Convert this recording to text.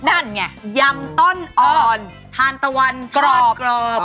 นั่นไงยำต้นอ่อนทานตะวันกรอบกรอบ